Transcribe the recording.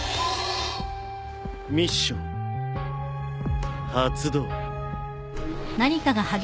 ・ミッション発動。